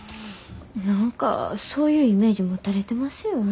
何かそういうイメージ持たれてますよね。